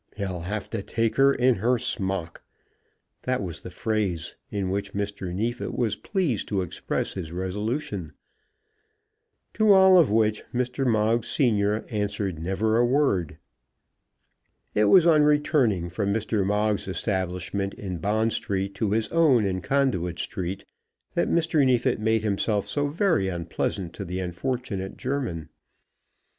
"He'll have to take her in her smock." That was the phrase in which Mr. Neefit was pleased to express his resolution. To all of which Mr. Moggs senior answered never a word. It was on returning from Mr. Moggs's establishment in Bond Street to his own in Conduit Street that Mr. Neefit made himself so very unpleasant to the unfortunate German.